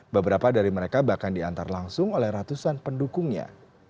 beberapa dari mereka bahkan diantar langsung oleh ratusan pendukungnya